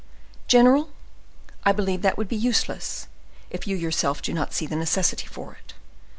"General, I believe that would be useless, if you yourself do not see the necessity for it.